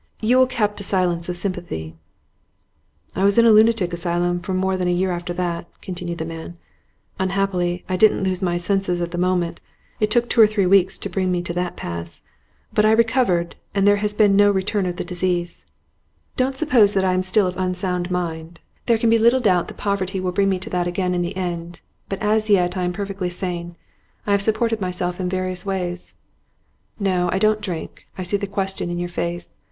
Yule kept the silence of sympathy. 'I was in a lunatic asylum for more than a year after that,' continued the man. 'Unhappily, I didn't lose my senses at the moment; it took two or three weeks to bring me to that pass. But I recovered, and there has been no return of the disease. Don't suppose that I am still of unsound mind. There can be little doubt that poverty will bring me to that again in the end; but as yet I am perfectly sane. I have supported myself in various ways. No, I don't drink; I see the question in your face.